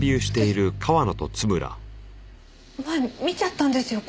私前見ちゃったんですよ